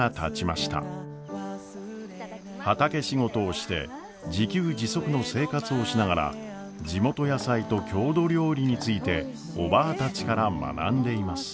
畑仕事をして自給自足の生活をしながら地元野菜と郷土料理についておばぁたちから学んでいます。